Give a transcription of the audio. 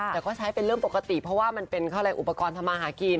แต่ก็ใช้เป็นเรื่องปกติเพราะว่ามันเป็นอุปกรณ์ทำมาหากิน